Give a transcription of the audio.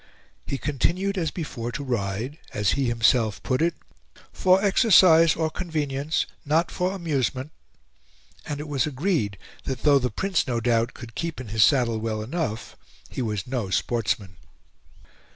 He continued, as before, to ride, as he himself put it, for exercise or convenience, not for amusement; and it was agreed that though the Prince, no doubt, could keep in his saddle well enough, he was no sportsman.